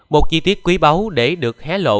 một chi tiết quý báu để được hé lộ